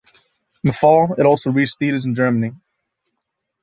In the fall, it also reached theatres in Germany.